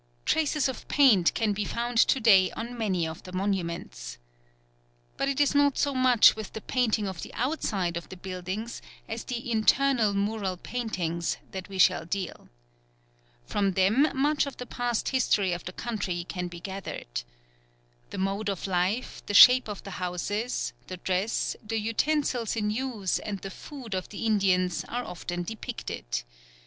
Traces of paint can be found to day on many of the monuments. But it is not so much with the painting of the outside of the buildings as the internal mural paintings that we shall deal. From them much of the past history of the country can be gathered. The mode of life, the shape of the houses, the dress, the utensils in use and the food of the Indians are often depicted.